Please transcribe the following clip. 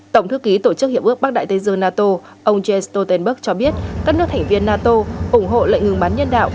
tổng thư ký tổ chức hiệp ước bắc đại tây dương nato ông james stoltenberg cho biết các nước thành viên nato ủng hộ lệnh ngừng bắn nhân đạo